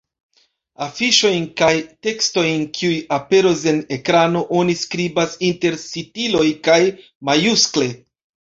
Afiŝojn kaj tekstojn kiuj aperos en ekrano oni skribas inter sitiloj kaj majuskle.